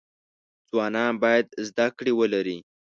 ځوانان باید زده کړی ولری